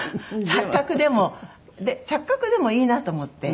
錯覚でも錯覚でもいいなと思って。